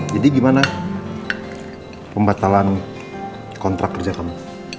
jadi gimana pembatalan kontrak kerja kamu